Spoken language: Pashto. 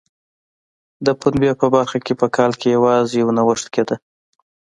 د پنبې په برخه کې په کال کې یوازې یو نوښت کېده.